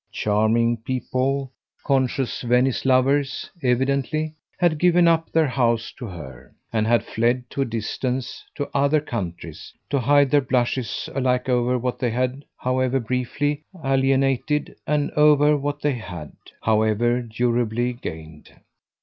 Charming people, conscious Venice lovers, evidently, had given up their house to her, and had fled to a distance, to other countries, to hide their blushes alike over what they had, however briefly, alienated, and over what they had, however durably, gained.